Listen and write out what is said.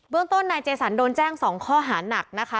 เรื่องต้นนายเจสันโดนแจ้ง๒ข้อหานักนะคะ